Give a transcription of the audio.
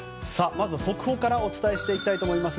まずは、速報からお伝えしていきたいと思います。